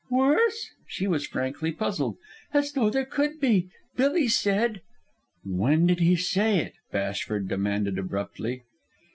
"Worse?" She was frankly puzzled. "As though there could be! Billy said " "When did he say it?" Bashford demanded abruptly.